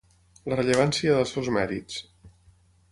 La rellevància dels seus mèrits.